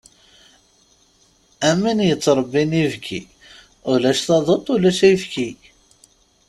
Am win yettṛebbin ibki, ulac taduḍt, ulac ifki.